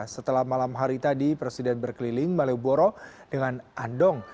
setelah malam hari tadi presiden berkeliling malioboro dengan andong